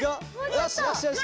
よしよしよし！